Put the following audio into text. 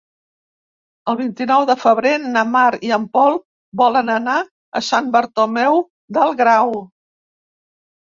El vint-i-nou de febrer na Mar i en Pol volen anar a Sant Bartomeu del Grau.